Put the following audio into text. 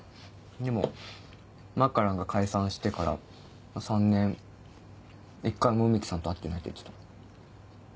でもマッカランが解散してから３年一回も梅木さんと会ってないって言ってた。